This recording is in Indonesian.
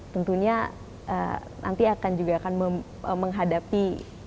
tentunya nanti akan juga akan menghadapi